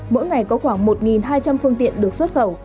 mỗi ngày có khoảng một hai trăm linh phương tiện được xuất khẩu